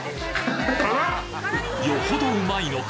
よほどうまいのか？